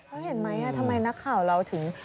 แล้วเห็นไหมทำไมนักข่าวเราถึง